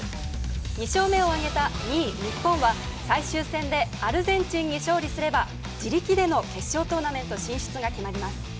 ２勝目を挙げた２位、日本は最終戦でアルゼンチンに勝利すれば自力での決勝トーナメント進出が決まります。